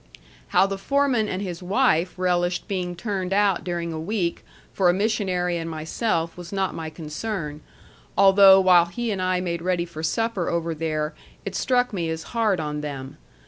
How the foreman and his wife relished being turned out during a week for a missionary and myself was not my concern, although while he and I made ready for supper over there, it struck me as hard on them.